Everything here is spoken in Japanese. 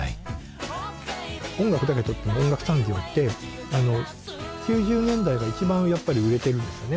音楽だけとっても音楽産業って９０年代が一番やっぱり売れてるんですよね。